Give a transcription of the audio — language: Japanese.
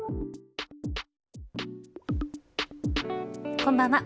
こんばんは。